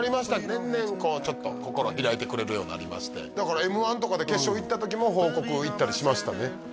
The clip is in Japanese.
年々こうちょっと心開いてくれるようになりましてだからＭ−１とかで決勝いった時も報告行ったりしましたね